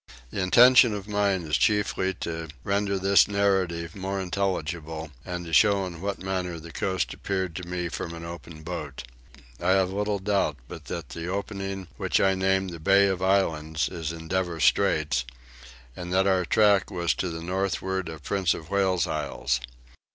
The intention of mine is chiefly to render this narrative more intelligible, and to show in what manner the coast appeared to me from an open boat. I have little doubt but that the opening which I named the Bay of Islands is Endeavour Straits; and that our track was to the northward of Prince of Wales' Isles.